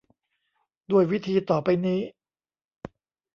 ด้วยวิธีต่อไปนี้